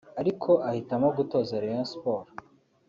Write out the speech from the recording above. ariko ahitamo gutoza Rayon Sports